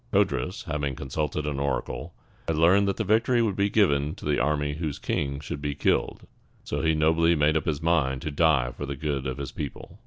Codrus, having consulted an oracle, had learned that the victory would be given to the army whose king should be killed, so he nobly made up his mind to die for the good of his people.